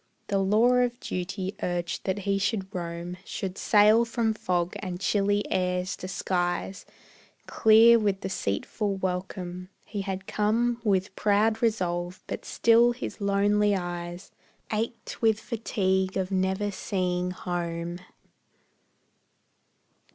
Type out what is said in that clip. The law of duty urged that he should roam, Should sail from fog and chilly airs to skies Clear with deceitful welcome. He had come With proud resolve, but still his lonely eyes Ached with fatigue at never seeing home.